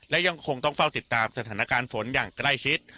และยังคงต้องเฝ้าติดตามสถานการณ์ฝนอย่างใกล้ชิด